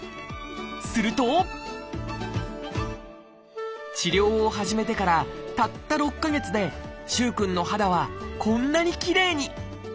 すると治療を始めてからたった６か月で萩くんの肌はこんなにきれいに。